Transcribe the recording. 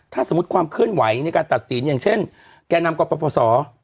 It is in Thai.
ถ้าสมมุติความเคลื่อนไหวในการตัดสินอย่างเช่นแก่นำกรปศ